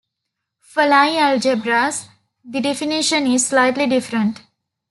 For Lie algebras the definition is slightly different.